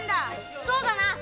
そうだな！